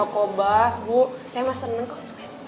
toko bah bu saya mah seneng kok